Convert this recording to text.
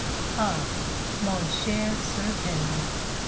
"Ah, mon cher Sir Henry!"